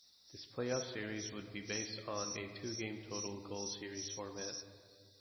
This playoff series would be based on a two-game total goal series format.